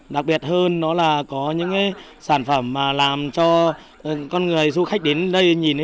đặc biệt hơn là có những sản phẩm làm cho con người du khách đến đây nhìn